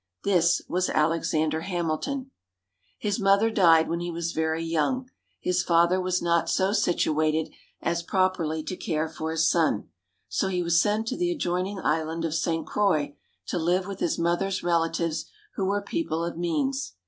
This was Alexander Hamilton. His mother died when he was very young. His father was not so situated as properly to care for his son, so he was sent to the adjoining island of St. Croix, to live with his mother's relatives, who were people of means.